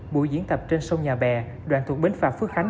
buổi diễn tập trên sông nhà bè đoạn thuộc bến phà phước khánh